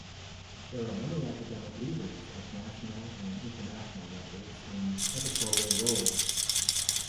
Many are academic leaders at national and international levels in editorial roles.